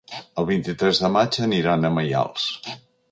El vint-i-tres de maig aniran a Maials.